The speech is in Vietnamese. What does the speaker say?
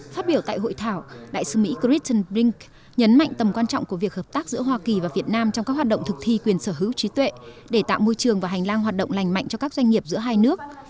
phát biểu tại hội thảo đại sứ mỹ christen brink nhấn mạnh tầm quan trọng của việc hợp tác giữa hoa kỳ và việt nam trong các hoạt động thực thi quyền sở hữu trí tuệ để tạo môi trường và hành lang hoạt động lành mạnh cho các doanh nghiệp giữa hai nước